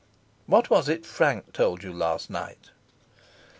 "What was it Frank told you last night?"